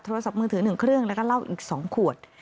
โทรศัพท์มือถือ๑เครื่องแล้วก็เหล้าอีก๒ขวด